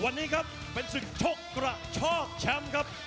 วันนี้ครับเป็นศึกชกกระชอกแชมป์ครับ